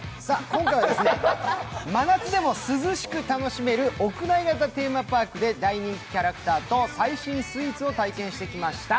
今回は真夏でも涼しく楽しめる屋内型テーマパークで大人気キャラクターと最新スイーツを体験してきました。